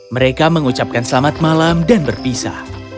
mereka mengucapkan selamat malam dan berpisah